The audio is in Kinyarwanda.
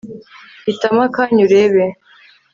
hitamo akanya urebe